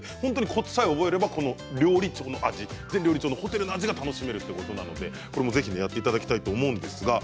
コツさえ覚えれば料理長の味ホテルの味が楽しめるということでやっていただきたいと思います。